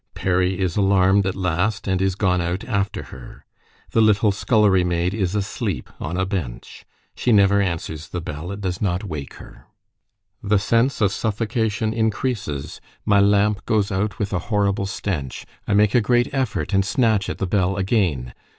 Perry is alarmed at last, and is gone out after her. The little scullery maid is asleep on a bench: she never answers the bell; it does not wake her. The sense of suffocation increases: my lamp goes out with a horrible stench: I make a great effort, and snatch at the bell again.